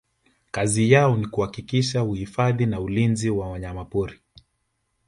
kazi yao ni kuhakikisha uhifadhi na ulinzi wa wanyamapori